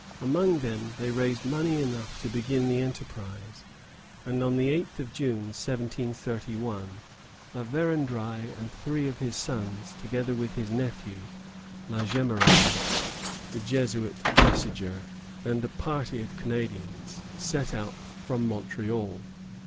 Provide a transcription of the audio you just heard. Among them they raised money enough to begin the enterprise, and on the 8th of June, 1731, La Vérendrye and three of his sons, together with his nephew, La Jemeraye, the Jesuit Messager, and a party of Canadians, set out from Montreal.